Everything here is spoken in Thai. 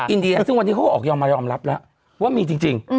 อินเดียซึ่งวันนี้เขาก็ออกยอมมายอมรับแล้วว่ามีจริง